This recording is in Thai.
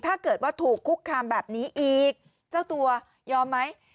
ถ้าเกิดว่าถูกคุกคามแบบนี้อีกเจ้าตัวยอมไหม